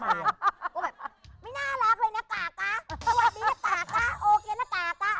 ไม่น่ารักเลยนะกะกะ